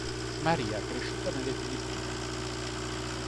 Maria è cresciuta nelle Filippine.